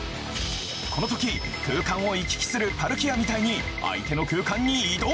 このとき空間を行き来するパルキアみたいに相手の空間に移動。